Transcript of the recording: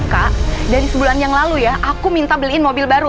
kak dari sebulan yang lalu ya aku minta beliin mobil baru